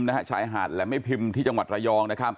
ในชายหาดแหลมแม่พิมพ์ที่จังหวัดระยอง